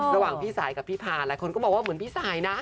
ระหว่างพี่สายกับพี่พาหลายคนก็บอกว่าเหมือนพี่สายนะ